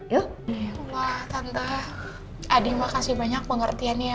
ya tante adi makasih banyak pengertiannya